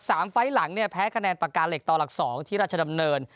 ไฟล์หลังเนี่ยแพ้คะแนนปากกาเหล็กต่อหลักสองที่ราชดำเนิน